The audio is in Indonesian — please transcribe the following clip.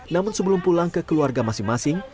namun sebelum pulang ke keluarga masing masing